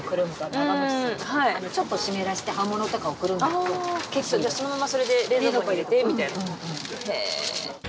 ちょっと湿らせて葉物とかをくるんでおくと結構いいですそのままそれで冷蔵庫入れてみたいなへえ